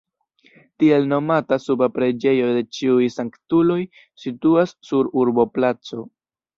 Tiel nomata suba preĝejo de Ĉiuj Sanktuloj situas sur urboplaco.